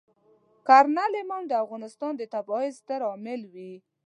کرنل امام د افغانستان د تباهۍ ستر عامل وي.